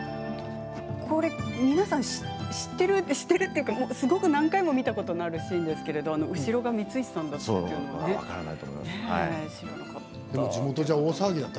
皆さん知っているというかすごく何回も見たことがあるシーンですけれども後ろが光石さんだったというのはね知らなかった。